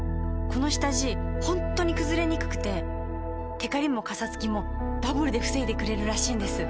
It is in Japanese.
この下地ホントにくずれにくくてテカリもカサつきもダブルで防いでくれるらしいんです。